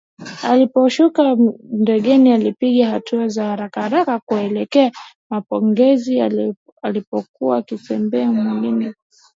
Aliposhuka ndegeni alipiga hatua za harakaharaka kuelekea mapokezi alipokuwa akitembea mwili ulkimsisimka